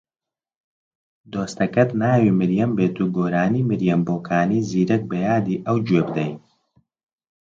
دۆستەکەت ناوی مریەم بێت و گۆرانی مریەم بۆکانی زیرەک بە یادی ئەو گوێ بدەی